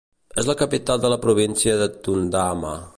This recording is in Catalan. És la capital de la província de Tundama.